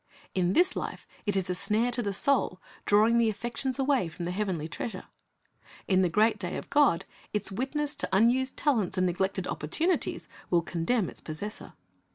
In this life it is a snare to the soul, drawing the affections away from the heavenly treasure. In the great day of God its witness to unused talents and neglected opportunities will condemn its possessor.